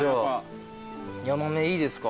ヤマメいいですか？